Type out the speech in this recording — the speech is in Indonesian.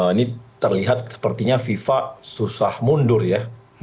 ini terlihat sepertinya fifa susah mundur ya